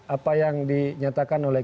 apa yang dinyatakan oleh